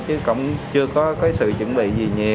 chứ cũng chưa có cái sự chuẩn bị gì nhiều